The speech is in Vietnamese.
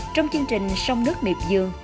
trong chương trình sông nước miệp dương